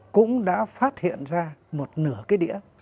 cũng đã phát hiện ra một nửa cái đĩa